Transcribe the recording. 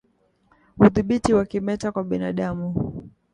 Udhibiti wa kimeta kwa binadamu